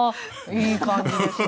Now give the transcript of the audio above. いい感じですね。